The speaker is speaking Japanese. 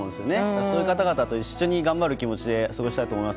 そういう方々と一緒に頑張る気持ちでいたいと思います。